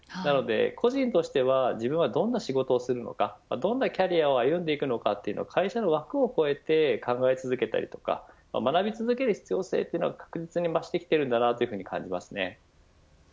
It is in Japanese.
個人としては自分がどんな仕事をするのかどんなキャリアを歩んでいくのかというのを会社の枠を超えて考え続けたりとか学び続ける必要性は確実に増してきていると思います。